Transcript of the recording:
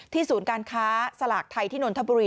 ศูนย์การค้าสลากไทยที่นนทบุรี